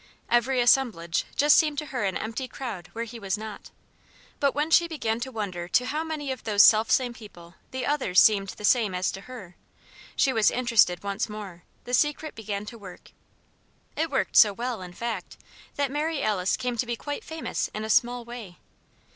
Every assemblage just seemed to her an empty crowd where he was not. But when she began to wonder to how many of those selfsame people the others seemed the same as to her, she was interested once more; the Secret began to work. It worked so well, in fact, that Mary Alice came to be quite famous in a small way.